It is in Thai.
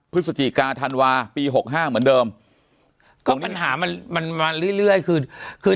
พฤศจิกาธันวาปี๖๕เหมือนเดิมก็ปัญหามันมาเรื่อยคือคือ